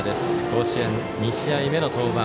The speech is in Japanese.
甲子園２試合目の登板。